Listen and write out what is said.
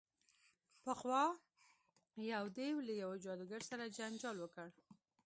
پخوا یو دیو له یوه جادوګر سره جنجال وکړ.